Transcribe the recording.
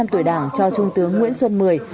bốn mươi năm tuổi đảng cho trung tướng nguyễn xuân mười